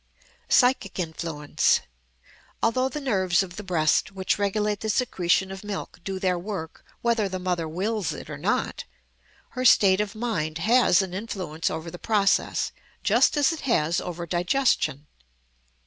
Psychic Influence. Although the nerves of the breast which regulate the secretion of milk do their work whether the mother wills it or not, her state of mind has an influence over the process, just as it has over digestion.